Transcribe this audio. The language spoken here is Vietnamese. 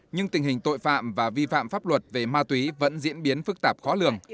nhưng tình hình tội phạm và vi phạm pháp luật về ma túy vẫn diễn biến phức tạp khó lường